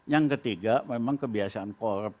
yang ketiga memang kebiasaan korp